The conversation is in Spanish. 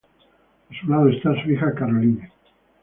A su lado está su hija Caroline.